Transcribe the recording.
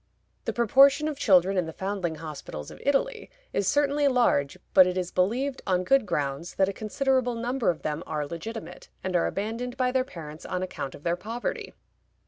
The proportion of children in the foundling hospitals of Italy is certainly large, but it is believed, on good grounds, that a considerable number of them are legitimate, and are abandoned by their parents on account of their poverty.